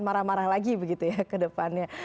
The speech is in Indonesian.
marah marah lagi begitu ya ke depannya